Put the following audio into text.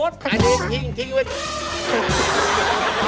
ดีไว้